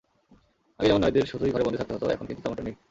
আগে যেমন নারীদের শুধুই ঘরে বন্দী থাকতে হতো, এখন কিন্তু তেমনটা নেই।